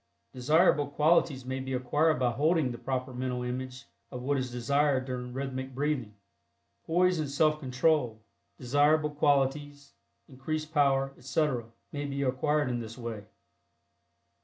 Desirable qualities may be acquired by holding the proper mental image of what is desired during rhythmic breathing. Poise and Self Control, desirable qualities; increased power, etc., may be acquired in this way.